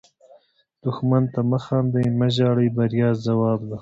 دښمن ته مه خاندئ، مه وژاړئ – بریا یې ځواب ده